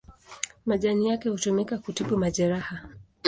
Majani yake hutumika kutibu majeraha.